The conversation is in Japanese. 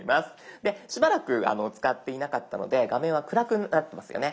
でしばらく使っていなかったので画面は暗くなってますよね？